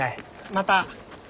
また！